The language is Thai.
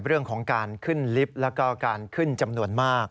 เรื่องของการขึ้นลิฟต์แล้วก็การขึ้นจำนวนมาก